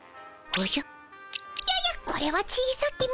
おじゃ。